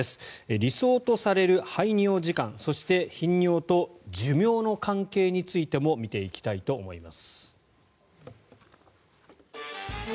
理想とされる排尿時間そして頻尿と寿命の関係についても見ていきたいと思います。